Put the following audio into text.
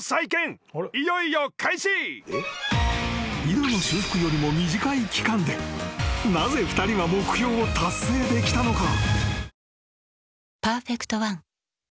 ［井戸の修復よりも短い期間でなぜ２人は目標を達成できたのか？］